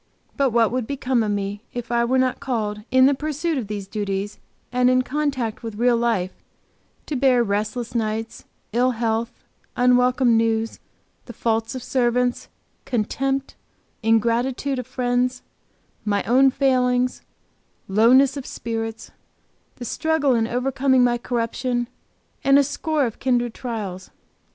But what would become of me if I were not called, in the pursuit of these duties and in contact with real life, to bear "restless nights, ill health, unwelcome news, the faults of servants, contempt, ingratitude of friends, my own failings, lowness of spirits, the struggle in overcoming my corruption, and a score of kindred trials!"